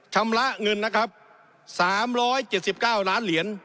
ชำระเงินนะครับสามร้อยเจ็ดสิบเก้าร้านเหรียญ